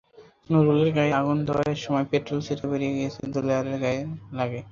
নুরুলের গায়ে আগুন দেওয়ার সময় পেট্রল ছিটকে বেরিয়ে গিয়ে দেলোয়ারের গায়েও লাগে।